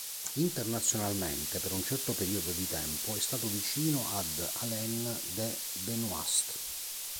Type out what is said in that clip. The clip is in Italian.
Internazionalmente per un certo periodo di tempo è stato vicino ad Alain de Benoist.